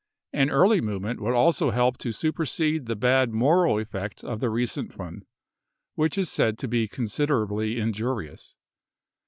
An early movement would also help to supersede the bad moral effect of the recent one, which is said to be considerably injurious.